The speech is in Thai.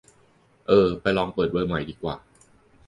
เออ ไปลองเปิดเบอร์ใหม่ดีกว่า